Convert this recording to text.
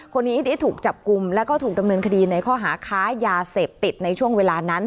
คนนี้ได้ถูกจับกลุ่มแล้วก็ถูกดำเนินคดีในข้อหาค้ายาเสพติดในช่วงเวลานั้น